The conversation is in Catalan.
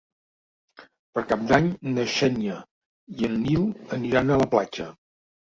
Per Cap d'Any na Xènia i en Nil aniran a la platja.